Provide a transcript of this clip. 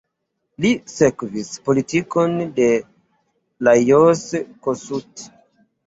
Li sekvis politikon de Lajos Kossuth.